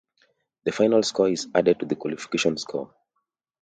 The final score is added to the qualification score.